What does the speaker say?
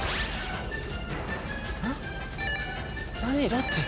どっち？